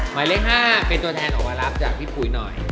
หมายเลข๕เป็นตัวแทนออกมารับจากพี่ปุ๋ยหน่อย